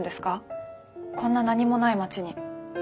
こんな何もない町に。